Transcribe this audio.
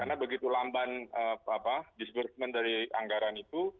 karena begitu lamban disbursement dari anggaran itu